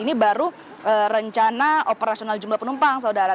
ini baru rencana operasional jumlah penumpang saudara